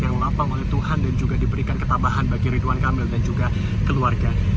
yang lapang oleh tuhan dan juga diberikan ketabahan bagi ridwan kamil dan juga keluarga